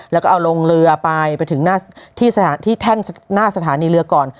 แล้วก็เอาลงเรือไปไปถึงที่แท่นหน้าสถานีเรือก่อน